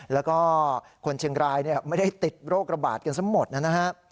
แล้วก็คนเชียงรายไม่ได้ติดโรคระบาดกันซะหมดนะฮะ